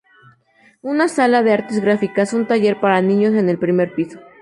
Una sala de artes gráficas y un taller para niños en el primer piso.